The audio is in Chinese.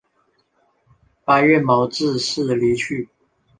八月予致仕离去。